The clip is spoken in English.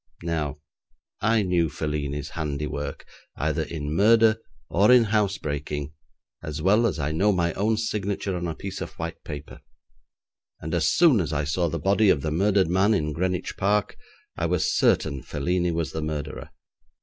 Now, I knew Felini's handiwork, either in murder or in housebreaking, as well as I know my own signature on a piece of white paper, and as soon as I saw the body of the murdered man in Greenwich Park I was certain Felini was the murderer.